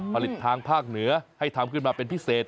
ผลิตทางภาคเหนือให้ทำขึ้นมาเป็นพิเศษ